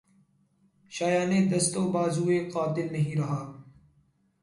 شایانِ دست و بازوےٴ قاتل نہیں رہا